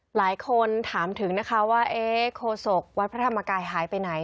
หลายคนถามถึงนะคะว่าโคศกวัดพระธรรมกายหายไปไหน